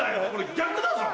逆だぞ。